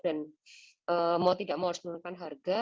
mau tidak mau harus menurunkan harga